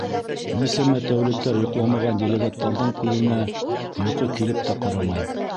Нисәмә тәүлектәр йоҡламаған делегаттарҙың күҙенә йоҡо килеп тә ҡарамай.